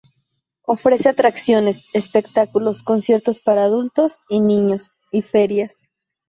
Ofrece atracciones, espectáculos, conciertos para adultos y niños y ferias..